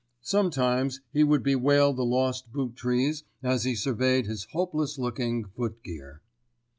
Sometimes he would bewail the lost boot trees as he surveyed his hopeless looking foot gear.